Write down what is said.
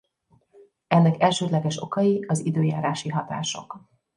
Ennek elsődleges okai az időjárási hatások.